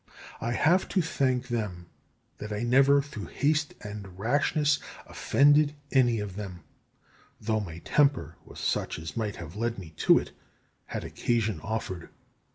I have to thank them that I never through haste and rashness offended any of them; though my temper was such as might have led me to it had occasion offered.